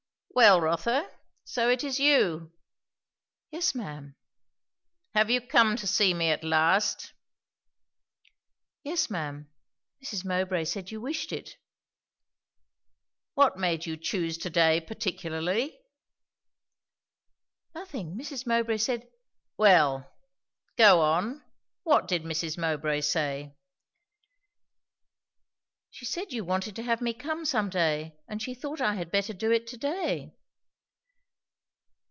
"Well, Rotha, so it is you?" "Yes, ma'am." "Have you come to see me at last?" "Yes, ma'am. Mrs. Mowbray said you wished it." "What made you choose to day particularly?" "Nothing. Mrs. Mowbray said " "Well, go on. What did Mrs. Mowbray say?" "She said you wanted to have me come, some day, and she thought I had better do it to day."